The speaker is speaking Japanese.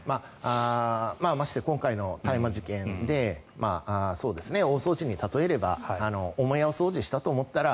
まして今回の大麻事件で大掃除に例えれば母屋を大掃除をしようと思ったら